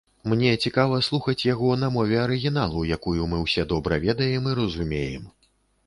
Мне цікава слухаць яго на мове арыгіналу, якую мы ўсе добра ведаем і разумеем.